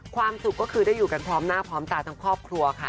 ความสุขก็คือได้อยู่กันพร้อมหน้าพร้อมตาทั้งครอบครัวค่ะ